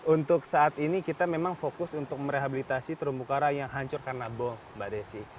untuk saat ini kita memang fokus untuk merehabilitasi terumbu karang yang hancur karena bom mbak desi